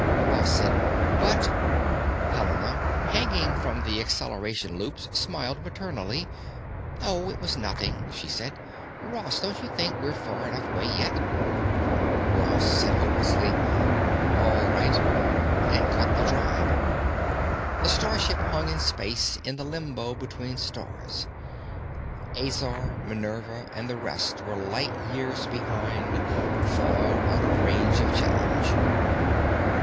Ross said, "But——" Helena, hanging from the acceleration loops, smiled maternally. "Oh, it was nothing," she said. "Ross don't you think we're far enough away yet?" Ross said hopelessly, "All right," and cut the drive. The starship hung in space in the limbo between stars. Azor, "Minerva," and the rest were light years behind, far out of range of challenge.